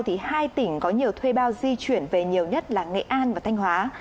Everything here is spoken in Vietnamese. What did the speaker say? thì hai tỉnh có nhiều thuê bao di chuyển về nhiều nhất là nghệ an và thanh hóa